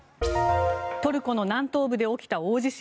トルコの南東部で起きた大地震。